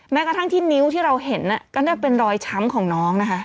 กระทั่งที่นิ้วที่เราเห็นก็น่าจะเป็นรอยช้ำของน้องนะคะ